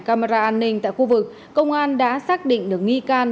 camera an ninh tại khu vực công an đã xác định được nghi can